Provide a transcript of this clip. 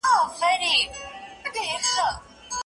پلار دي له زور او جبر څخه کار نه اخلي.